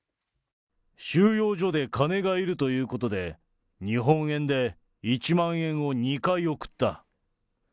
収容所で金がいるということで、日本円で１万円を２回送った。